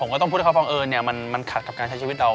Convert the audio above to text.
ก็ต้องพูดให้เขาฟังเออมันขัดกับการใช้ชีวิตเรา